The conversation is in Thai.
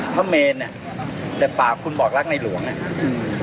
พระเมนอ่ะแต่ปากคุณบอกรักในหลวงอ่ะอืม